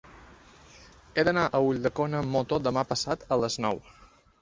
He d'anar a Ulldecona amb moto demà passat a les nou.